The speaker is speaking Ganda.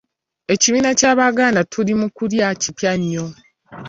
Ekibiina Ky'Abaganda Tuli Mu Kulya kipya nnyo.